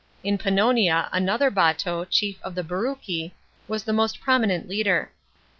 In Pan nonia, another Bato, chief of the Breuci, was the most prominent leader.